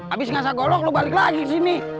abis ngasah golok lo balik lagi kesini